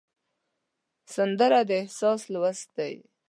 سندره د احساس لوست دی